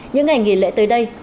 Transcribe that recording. những ngày nghỉ lễ tới đây